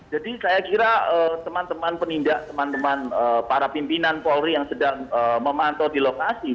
jadi saya kira teman teman penindak teman teman para pimpinan polri yang sedang memantau di lokasi